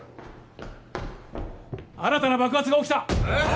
新たな爆発が起きたえっ！？